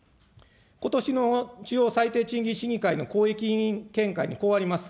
ことしの地方最低賃金審議会のこういき見解にこうあります。